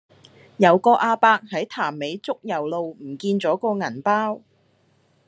有個亞伯喺潭尾竹攸路唔見左個銀包